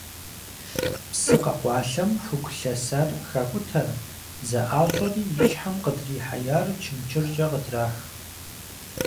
Псы къэкъуалъэм хугу лъэсар хакIутэ, зэIащIэри и щхьэм къыдрихьеяр чымчыркIэ къытрах.